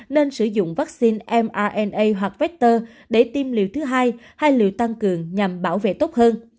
nên sử dụng vaccine mna hoặc vector để tiêm liều thứ hai hay liệu tăng cường nhằm bảo vệ tốt hơn